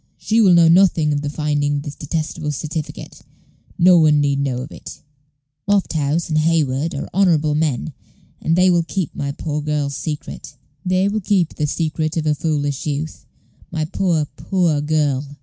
She will know nothing of the finding of this detestable certificate. No one need know of it. Lofthouse and Hayward are honorable men, and they will keep my poor girl's secret; they will keep the secret of her foolish youth my poor, poor girl!"